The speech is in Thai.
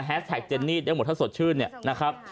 แฮสแท็กเจนนี่ได้หมดถ้าสดชื่นนี่นะฮะ